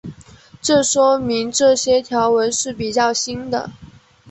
这说明这些条纹是比较新的。